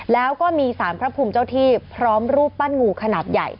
แล้วก็มีสารพระภูมิเจ้าที่พร้อมรูปปั้นงูขนาดใหญ่